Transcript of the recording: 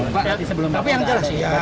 tapi yang jelas ya